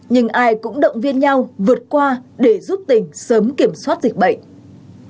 nhưng ai cũng động viên nhau vượt qua để giúp tỉnh sớm kiểm soát dịch bệnh